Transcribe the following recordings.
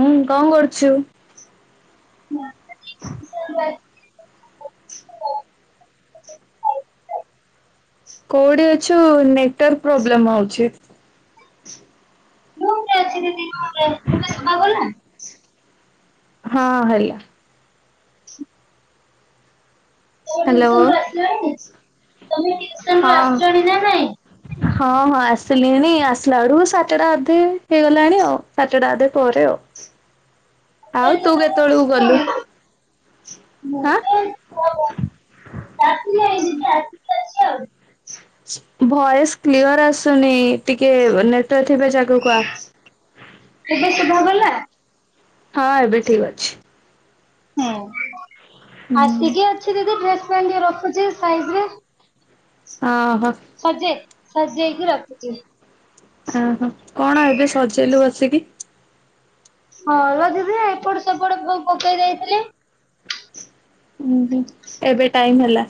ହୁଁ କଣ କରୁଚୁ? [inaudible] କୋଉଠି ଅଛୁ ନେଟୱାର୍କ ପ୍ରୋବ୍ଲେମ ହଉଚି। [inaudible] ହଁ ହେଲା। ହ୍ୟାଲୋ। ହଁ [inaudible] ହଁ ହଁ ଆସିଲିଣି। ଆସିଲା ବେଳକୁ ସାତଟା ଅଧେ ହେଇଗଲାଣି ଆଉ। ସାତଟା ଅଧେ ପରେ ଆଉ ଆଉ ତୁ କେତେବେଳକୁ ଗଲୁ? ହାଁ? [inaudible] ଭଏସ କ୍ଲିଅର ଆସୁନି ଟିକେ ନେଟୱର୍କ ଥିବା ଜାଗାକୁ ଆ। ଏବେ ଶୁଭାଗଲା? ହଁ ଏବେ ଠିକ ଅଛି। ହୁଁ। ହୁଁ ଆସିକି ଅଛି ଦିଦି ଡ୍ରେସ ଟ୍ ରଖୁଚି ସାଇଜ୍ ରେ। ହଁ ହଁ। ସଜେଇ ସଜେଇକି ରଖୁଚି। ଅହୋ କଣ ଏବେ ସଜେଇଲୁ ବସିକି? ହଁ ଯଉଥିଲି ଏପଟ ସେପଟ ପକେଇ ଦେଇଥିଲେ। ହୁଁ ହୁଁ ଏବେ ଟାଇମ ହେଲା?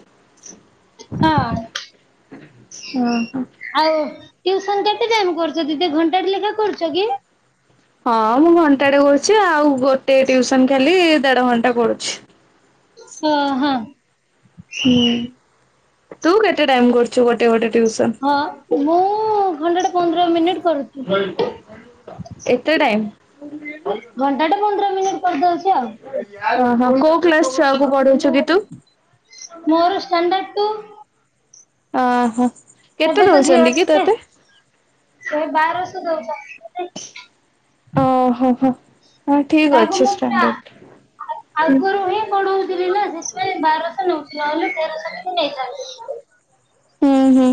ହଁ ଓହୋ ଆଉ। ଟ୍ୟୁସନ କେତେ ଟାଇମ୍ କରୁଚ ଦିଦି ଘଣ୍ଟାଟେ ଲେଖା କରୁଛ କି? ହଁ ମୁଁ ଘଣ୍ଟାଟେ କରୁଛି ଆଉ ଗୋଟେ ଟ୍ୟୁଉସନ ଖାଲି ଦେଢ଼ ଘଣ୍ଟା କରୁଛି। ହଁ ହଁ। ହୁଁ। ତୁ କେତେ ଟାଇମ କରୁଚୁ ଗୋଟେ ଗୋଟେ ଟିଉସନ? ହଁ ମୁଁ ଘଣ୍ଟାଟେ ପନ୍ଦର ମିନିଟ କରୁଚି। ଏତେ ଟାଇମ୍? ଘଣ୍ଟାଟେ ପନ୍ଦର ମିନିଟ୍ ଓ ହଁ କୋଉ କ୍ଲାସ ଯାକୁ ପଡୁଚି। ମୋର ଷ୍ଟାଣ୍ଡାର୍ଡ ଟୁ। ଅହ। ଏବେ ତ ଯିଅ ଅଛି ସେ ସେ ବା [inaudible] ଓ ହୋ ହୋ। ହଁ ଠିକ ତାକୁ ଅଛି ମୁଁ ପୁରା ଷ୍ଟାଣ୍ଡାର୍ଡ ଆଗରୁ ହିଁ ପଢଉଥିଲି ନା ସେଥିପାଇଁ ବାରଶହ ନଉ ନହନୁ ସେ କ ସେ ବି ନେଇଥିବ। ହୁଁ ହୁଁ।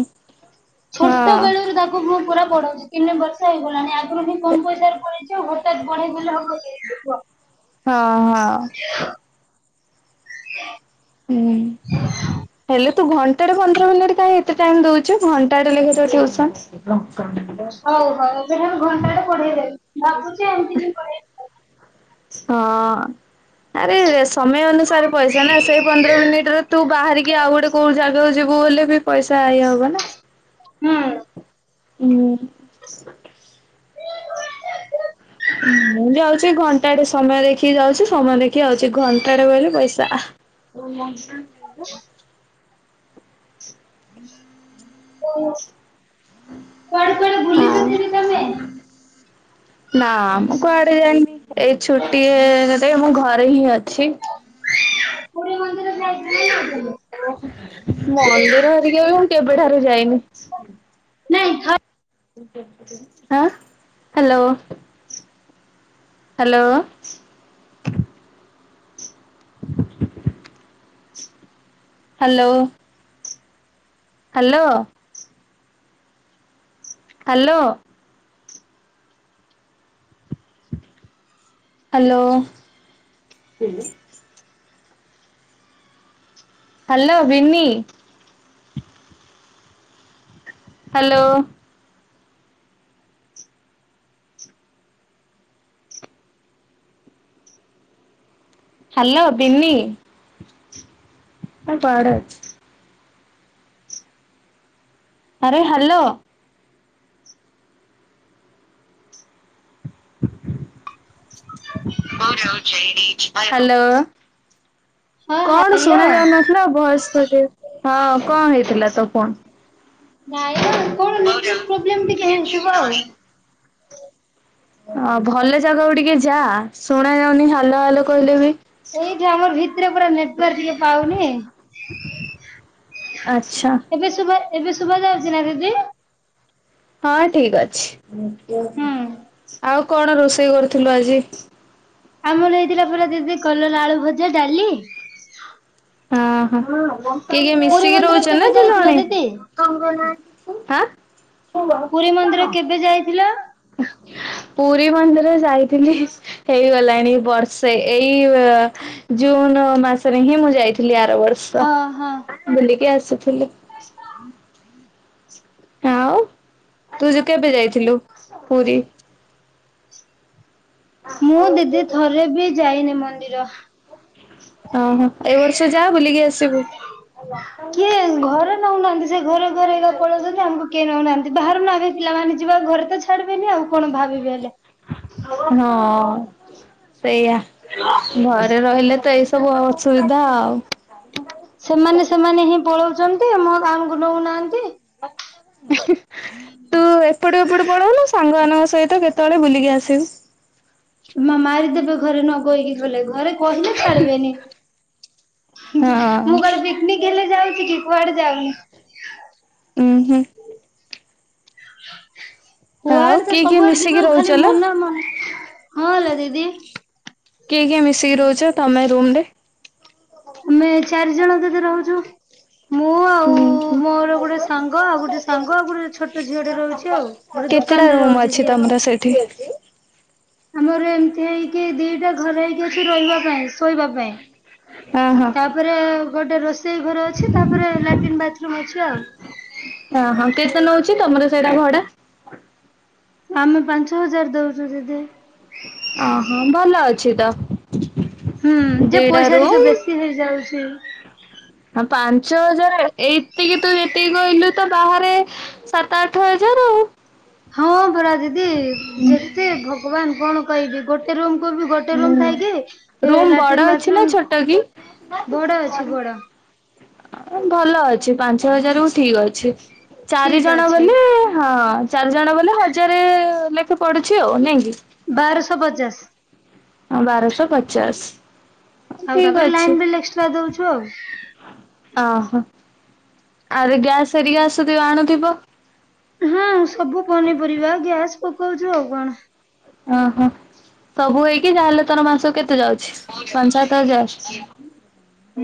ଛୋଟ ହଁ। ବେଳରୁ ତାକୁ ମୁଁ ପୁରା। ବଢଉଛି କିନେ ବର୍ଷା ହେଇଗଲାଣି ଆଗରୁ ହିଁ କମ ପଇସାରେ ପଡେଇଛି ଆଉ ହଠାତ୍ ବଢେଇ ଦେଲେ ହବକି କୁହ। ହଁ ହଁ। [inaudible] ହୁଁ ହେଲେ। ତୁ ଘଣ୍ଟାଟେ ପନ୍ଦର ମିନିଟ୍ କାଇଁ ଏତେ ଟାଇମ୍ ଦଉଛୁ ଘଣ୍ଟାଟେ ଲେଖାଁତ ଟିୟୁସନ। କଣ? [unintelligible] ଯଦିହବ ଘଣ୍ଟାଟେ ପଢେଇ ଦେବି ଭାବୁଛି। ଏମିତି ହିଁ ପଢେଇବି। ହଁ। ଆରେରେ ସମୟ ଅନୁସାରେ ପଇସା ନା ସେଇ ପନ୍ଦର ମିନିଟରେ ତୁ ବାହାରିକି ଆଉ ଗୋଟେ କୋଉ ଯା ଯଉ ଯିବୁ ବୋଲି ବି ପଇସା ଆଇ ହବ ନା। ହୁଁ। ହୁଁ। ମୁଁ ଯାଉଛି ଘଣ୍ଟାଟେ ସମୟ ଦେଖିକି ଯାଉଛି ସମୟ ଦେଖିକି ଆଉଛି ଘଣ୍ଟାଟେ ବଇଲେ ପଇସା। [inaudible] କୁଆଡେ କୁଆଡେ ହଁ ବୁଲିଚ ଦିଦି ତମେ? ନା ମ କୁଆଡେ ଯାଇନ ଏଇ ଛୁଟିଏ ଏ ମୁଁ ଘରେ ହିଁ ଅଛି। ମୋର ମନ୍ଦିର ଯାବନି ଆଉ। ମନ୍ଦିର ହେରିକାବି ମୁଁ କେବେଠାରୁ ଯାଇନି। ନାଇଁ ଥ ହଁ hello hello. Hello. Hello. Hello. Hello ଓ। ହାଲୋ ବିିନି। ହାଲୋ। ହାଲୋ ବିନି। [unintelligible] ଆରେ ହ୍ୟାଲୋ। ରି ଈ ରି ହ୍ୟାଲୋ। ହଁ କଣ ହ୍ୟାଲୋ। ଶୁଣା ଯାଉନଥିଲା ଭୟେସ ହଁ କଣ ହେଇଥିଲା ତ କନ୍। ନାଇଁ। କଣ ନେଟୱାର୍କ ପ୍ରୋବ୍ଲେମ ଟିକେ ହେଇଥିବ ଆଉ। [inaudible] ଅ ଭଲ ଜାଗାକୁ ଟିକେ ଯା ଶୁଣା ଯାଉନି ଆଉ ଏଇଠା ଆମର ଭିତରେ ପୁରା ନେଟାର୍କ ଟିକେ ପାଉନି ଆଚ୍ଛା ଏବେ ଶୁଭା ଏବେ ଶୁଭ ଯାଉଛି ନା ଦିଦି। ହଁ ଠିକ ଅଛି। ହୁଁ ଆଉ। କଣ ରୋଷେଇ କରୁଥିଲୁ ଆଜି? ଆମର ହେଇଥିଲା ପରା ଦିଦି କଲଲା ଆଳୁ ଭଜା ଡାଲି ହଁ କିଏ କିଏ ପୁରୀ ମିଶିକି ମନ୍ଦିର ରହୁଛ କେବେ ନା ତୁ ଯାଇଥିଲ ଜଣେ? ଦିଦି? ପୁରୀ ମନ୍ଦିର କେବେ ଯାଇଥିଲ? ପୁରୀ ମନ୍ଦିର ଯାଇଥିଲି ହେଇଗଲାଣି ବର୍ଷେ ଏଇ ଜୁନ୍ ମାସ ହିଁ ମୁଁ ଯାଇଥିଲି ଆ ବ ବର୍ଷ ହଁ ହଁ। ବୁଲିକି ଆସ ଥିଲି। ଆଉ ତୁ ଯ କେବେ ଯାଇଥିଲୁ ପୁରୀ? ମୁଁ ଦିଦି ଥରେ ବି ଯାଇନି ମନ୍ଦିର ଓହୋ ଏଇ ବର୍ଷ ଯା ବୁଲିକି ଆସିବୁ। କିଏ ଘରେ ନଉନାହାନ୍ତି ସେ ଘରେ ଘରେ ହେଇବା ପଳଉଛନ୍ତି ଆମକୁ କିଏ ନେଉନାହାନ୍ତି ବାହାରୁ ନ ଆମେ ପିଲାମାନେ ଯିବା ଘରେ ତ ଛାଡିବନି ଆଉ କଣ ଭାବିବି ହେଲେ ହଁ ସେଇଆ ଘରେ ରହିଲେ ତ ଏଇସବୁ ଅସୁବିଧା ଆଉ ଛନ୍ତି ମୋ ଗାଁ ଗକୁ ନଉନାହାନ୍ତି। ତୁ ଏପଟେ ଏପଟୁ ପଳଉନୁ ସାଙ୍ଗମାନାନଙ୍କ ସହିତ ତ କେତେବେଳେ ବୁଲିକି ଆସିବୁ ମା ମାରିଦେବେ ଘରେ ନକହିକି ଗଲେ। ଘରେ କହିଲେ ଛାଡିବେନି ମୁଁ ହଁ କାଳେ ପିକନିକ ହେଲେ ଯାଉଛି କି କୁଆଡେ ଯାଉନି। ଉୁଁ ହୁଁ। [inaudible] ଆଉ କୁଆଡେ ତ କିଏ କିଏ ସବୁଆଡେ ମିଶିକି ଯିବା ଆଉ ରହୁଛ ଖାଲି ଲୋ? ମନ ମନ ହଁ ହେଲା ଦିଦି। କିଏ କିଏ ମିଶିକି ରହୁଛ ତମେ ରୁମ ରେ? ଆମେ ଚାରି ଜଣ ଦିଦି ରହୁଛୁ। ମୁଁ ଆଉ ହୁଁ ମୋର ଗୋଟେ ସାଙ୍ଗ ଆଉ ଗୋଟେ ସାଙ୍ଗ ଆଉ ଗୋଟେ ଛୋଟ ଝିଅଟେ ରହୁଛି ଆଉ ଗୋଟେ କେତେଟା ଦୋକାନ ରେ ରୁମ ରହୁଛି ଅଛି ସିଏ। [inaudible] ତମର ସେଠି ଆମର ଏମିତି ହେଇକି ଦିଟା ଘରେ ହେଇକି ଅଛି ରହିବା ପାଇଁ [inaudible] ଶୋଇବା ପାଇଁ ଓହୋ। ତାପରେ ଗୋଟେ ରୋଷେ ଇ ଘର ଅଛି ତାପରେ ଲାଟ୍ରିନ୍ ବାଥରୁମ୍ ଅଛି ଆଉ। ଓହୋ କେତେ ନଉଛି ତମର ସେଇଟା ଭଡା? ଆମେ ପାଞ୍ଚ ହଜାର ଦଉଛୁ ଦିଦି। ଓହୋ ଭଲ ଅଛି ତ। ହୁଁ ଯେ ଦିଟା ପଇସା ଟିକେ ରୁମ୍ ବେଶୀ ହେଇଯାଉଛି। ପାଞ୍ଚ ହଜାର ଏତିକି ତୁ ଯେତିକି କହିଲୁ ତ ବାହାରେ ସାତ ଆଠ ହଜାର ଆଉ। ହଁ। ପରା ଦିଦି ଯେତେ ଭଗବାନ କଣ କହିବି ଗୋଟେ ଗୋଟେ ରୁ ହୁଁ। ଥାଇକ ରୁମ୍ ବଡ ଲାଟ୍ରିନ୍ ଅଛି ନା ବାଥରୁମ ଛୋଟ କି ବଡ଼ ଅଛି ବଡ଼। ଭଲ ପାଞ୍ଚ ହଜାର କୁ ଠିକ ଅଛି। ଚାରି ଠିକ ଜଣ ଅଛି ବୋଲି ହଁ ଚାରିଜଣ ବୋଲେ ହଜାର ଲେଖା ପଡୁଛି ଆଉ ନାଇଁକି? ବାରଶହ ପଚାଶ। ହଁ ବାରଶହ ପଚାଶ। ଆଉ ଠିକ ତାପରେ ଅଛି ଲାଇନ ବିଲ୍ ଏକ୍ସଟ୍ରା ଦଉଛୁ ଆଉ। [inaudible] ଓହୋ। ଆରେ ଗ୍ୟାସରିକା ଆଣୁଥିବ? ହୁଁ ସବୁ ପନିପରିବା ଗ୍ୟାସ ପକଉଛୁ ଆଉ କଣ? ଓହୋ ସବୁ ହେଇକି ଯାହାହେଲେ ତୋର ମାସ କେତେ ଯାଉଛି ପାଞ୍ଚ ସାତ ହଜାର?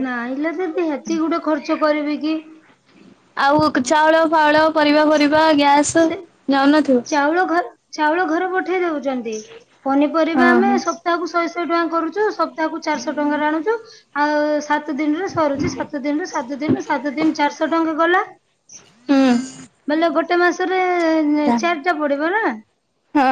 ନାହିଁଲେ ଦିଦି ଏତେ ଗୋଟେ ଖର୍ଚ୍ଚ କରିବି କି? ଆଉ ଚାଉଳ ଫାଉଳ ପରିବା ଫରିବା ଗ୍ୟାସ୍ ସେ ଯାଉନଥିବ। ଚାଉଳ ଘ ଚାଉଳ ଘର ପଠେଇ ଦଉ ପନିପରିବା ଓହୋ ଆମେ ହୁଁ ସପ୍ତାହକୁ ଶହେ ଏତେ ଟଙ୍କା କରୁଛୁ। ସବୁ ତାହାକୁ ଚାରିଶହ ଟଙ୍କାରେ ଆଣୁଛୁ। ଆଉ ସା ସାତ ଦିନରୁ ସରୁଛି ସାତ ଦିନରୁ ସାତ ଦିନ ସାତ ଦିନ ଚାରିଶହ ଟଙ୍କା ଗଲା। ମାନେ ଗୋଟେ ତ [unintelligible] ଏ ଚାରିଟା ପଡିବ ନା ହଁ।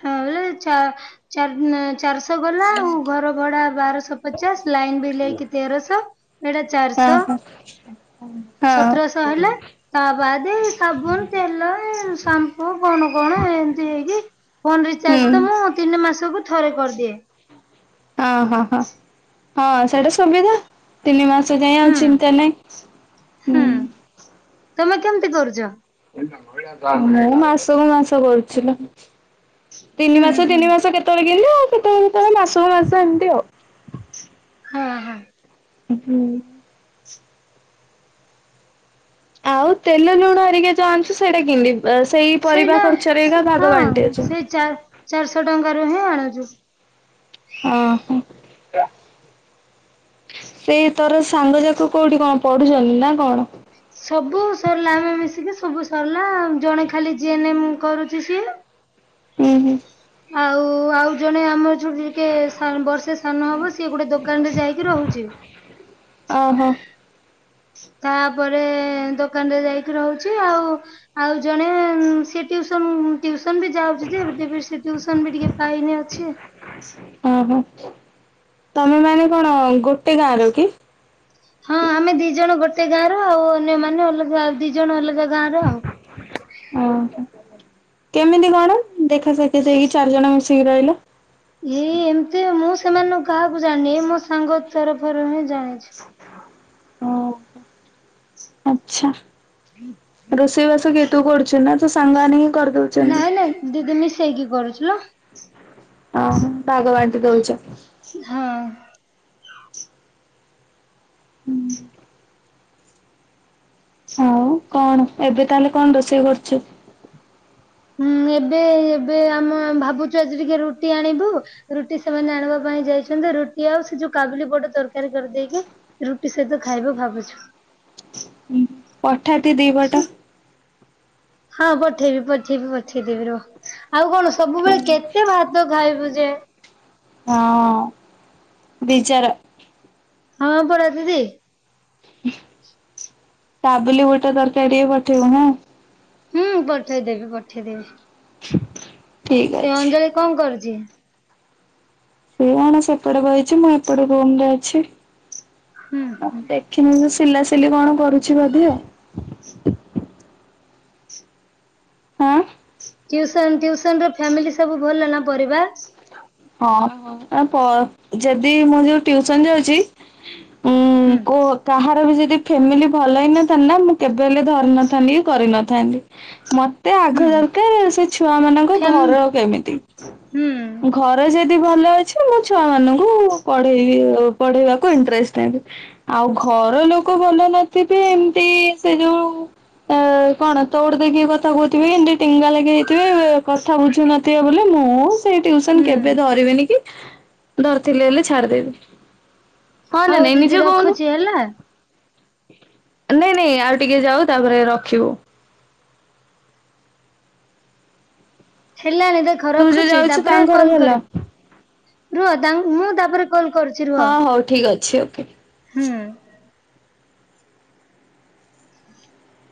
ହଁ ବୋଇଲେ ଚାର୍ - ଚାରି ଦିନ ଚାରିଶହ। ଗଲା ଆଉ ଘର ଭଡା ବାରଶହ ପଚାଶ ଲାଇନ ବିିଲେଇକି ତେରଶହ ଏଟା ଚାରିଶହ ହଁ ହଁ। ହଁ ସତରଶହ ହେଲା ତା ବାଦେ ତେଲ ଏ ଶାମ୍ପୁ କଣ କଣ ଏମତି ହେଇକି ଫୋନ ହୁଁ ରିଚାର୍ଜ ତ ମୁଁ ତିନି ମାସ ସବୁ ଥରେ କରିଦିଏ। ଅ ହଁ ହଁ ହଁ ସେଇଟା ସୁବିଧା ତିନି ମାସ। ସେଥିପାଇଁ ହୁଁ ଆଉ ଚିନ୍ତା ନାହିଁ, ହୁଁ। ତମେ କେମିତି କରୁଛ? ମାସକୁ ମାସ କରୁଛି ତିନି ହୁଁ ମାସ ହୁଁ ତିନି ମାସ କେତେବେଳେ କିମିତି ଆଉ କେତେବେଳେଳେ ମାସ ସ ହଜ ଏତିଅ [unintelligible] ହଁ ହଁ। ହୁଁ। ଆଉ ତେଲ ଲୁଣ ଏରିକା ଯୋଉ ଆଣିଛୁ ସେଇଟା କିଣିକି। ସେଇଟା ହଁ ବାଣ୍ଟିଛୁ। ସେଇ ଚାରିଶହ ଟଙ୍କ ର ହିଁ ଆଣୁ। ଆଜ [unintelligible] ଓହୋ। ସେଇ ତୋର ସାଙ୍ଗ ଯାକ କୋଉଠି କଣ ପଢୁଛନ୍ତି ନା କଣ? ସବୁ ସରିଲା ଆମେ ମିଶିକି ସବୁ ସରିଲୁ। ନା ଜଣେ ଖାଲି ଜି ଏନ୍ ଏମ୍ କରୁଛି ସିଏ। ହୁଁ ହୁଁ। ଆଉ ଆଉ ଜଣେ ଆମର ଛୋଟ ଟିକେ ବର୍ଷେ ସାନ ହବ ସିଏ ଗୋଟେ ଦୋକାନରେ ଯାଇକି ରହୁଛି। ଓହୋ ତାପରେ ଦୋକାନରେ ଯାଇକି ରହୁଛି ଆଉ - ଆଉ ଜଣେ ସେ ଟିୟୁସନ୍ ଟିଉସନ୍ ବି ଯାଉଛି ଯେ ଟିଉସନ୍ ବି ଟିକେ ପାଇନି ଅଛି। ଓହୋ। ତମେ ମାନେ କଣ ଗୋଟେ ଗାଁର କି? ହଁ ଆମେ ଦି ଜଣ ଗୋଟେ ଗାଁ ର ଆଉ ଅନ୍ୟମାନେ ଅଲଗା ଦି ଜଣ ଅଲଗା ଗାଁର ଆଉ। ଓହୋ। କେମିତି କଣ ଦେଖା ସାକ୍ଷାତ ହେଇକି ଚାରିଜଣ ମିଶିକି ରହିଲ। ଏଇ ଏମିତି ମୁଁ ସେମାନଙ୍କୁ କାହାକୁ ଜାଣିନି ମୋ ସାଙ୍ଗ [unintelligible] ଜାଣିଛି ହଁ ଆଛା ରୋଷେଇବାସ କିଏ ତୁ କରୁଛୁ ନା ତୋ ସାଙ୍ଗମାନେ ହିଁ କରିଦଉଛନ୍ତି? ନାଇଁ ନାଇଁ ଦିଦି ମିଶେଇକି କରୁଚି। ଲ ହ। ଭାଗ ବାଣ୍ଟି କରୁଚ। ହଁ ହୁଁ। ହଉ କଣ ଏବେ ତାହେଲେ କଣ ରୋଷେଇ କରୁଛୁ। ହୁଁ ଏବେ ଏବେ ଆମ ଆମେ ଭାବୁଛୁ ଆଜି ଟିକେ ରୁଟି ଆଣିବୁ। ରୁଟି ସେମାନେ ଆଣିବା ପାଇଁ ଯାଇଛନ୍ତି। ରୁଟି ଆଉ ସେ ଯଉ କାବୁଲି ବୁଟ ତରକାରୀ କରିଦେଇକି ରୁଟି ସହିତ ଖାଇବ ଭାବୁଛୁ। ପଠା ତୀ ଦି ପଟ। ହଁ ପଠେଇବି ପଠେଇବି ପଠେଇଦେବି ର। ଆଉ କଣ ସବୁବେଳେ କେତେ ଭାତ ଖାଇବୁ ଯେ। ବିଜାର। ହଁ ପରା ଦିଦି। [inaudible] କାବୁଲି ବୁଟ ତରକାରୀ ଟିକେ ପଠେଇବୁ ହଁ। ହୁଁ ପଠେଇଦେବି ପଠେଇଦେବି। [inaudible] ସେ ଅଛି। ଅଞ୍ଜଳି କଣ କରୁ ଚି। ସିଏ ଏଣେ ସେପଟେ ବଇଚି ମୁଁ ଏପଟେ ରୁମ ରେ ଅଛି। ହୁଁ ଆ ହୁଁ ଦେଖିନି ସ୍ ସିଲାସିଲି କଣ କରୁଛି ବଧେ। ହଁ। ଟିଉସନ ଟିଉସନ ରେ ଫାମିଲି ସବୁ ଭଲ ନା ପରିବା ହଁ ହଉ ଯଦି ମୁଁ ଯୋଉ ଟିଉସନ ଯାଉଛି। ଉଁ ହୁଁ କୋ କାହା ବି ଯଦି ଫ୍ୟାମିଲି ଭଲ ହେଇନଥାନ୍ତା। ମୁଁ କେବେ ହେଲେ ଧରିନଥାନ୍ତି କି କରିନଥାନ୍ତି। ମତେ ତେ ଆଗ ହୁଁ ଦରକାର ସେ ଛୁଆ ମାନଙ୍କ ଫ୍ୟାମ ଘର କେମିତି। ହୁଁ ଘରେ ଯଦି ଭଲ ଅଛି। ମୁ ଛୁଆ ମାନଙ୍କୁ ପଢେଇ ପଢେଇବାକୁ ଇନ୍ତ୍ରେଷ୍ଟ ନେବି। ଆଉ ଘର ଲୋକ ଭଲ ନଥିବେ ଏମିତି ସେ ଯୋଉ ସେ କଣ ତଉଡ ଦେକି କଥା କହୁଥିବେ। ଏମତି ଟିଙ୍ଗା ଲାଗି ହେଇଥିବେ କଥା ବୁଝୁ ନଥିବେ ବୋଲି ମୁଁ ସେ ଟିଉସନ ହୁଁ କେବେ ଧରିବିନି କି ଧରିଥିଲେ ହେଲେ ଛାଡିଦେବି। ହଁ ନା ହଉ ନାଇଁ ନିଜେ ଦିଦି କହୁନୁ ରଖୁଛି ହେଲା। ନାଇଁ ନାଇଁ ଆଉ ଟିକେ ଯାଉ ତାପରେ ରଖିବୁ। ହେଲାଣି ଦେଖ ତୁ ଯୋଉ ରଖୁଛି ଯାଉଛୁ ତାପରେ ତାଙ୍କ ଘର କଲ ଭଲ କରି ରୁହ ତାଙ୍କ ମୁଁ ତାପରେ। କଲ୍ କରୁଛି ହଁ ରୁହ ହଉ ଠିକ ଅଛି ଓକେ। ହୁଁ। ହୁଁ [unintelligible]